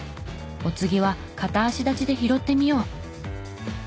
お次は片足立ちで拾ってみよう。